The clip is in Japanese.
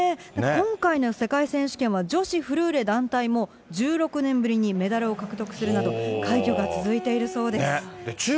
今回の世界選手権は女子フルーレ団体も１６年ぶりにメダルを獲得するなど、快挙が続いているそうです。